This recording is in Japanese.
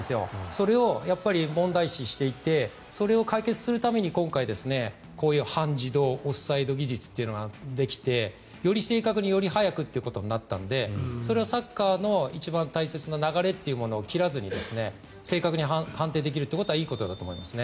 それを問題視していてそれを解決するために今回、こういう半自動オフサイド技術というのができてより正確により早くということになったのでそれはサッカーの一番大切な流れというものを切らずに正確に判定できるのはいいことだと思います。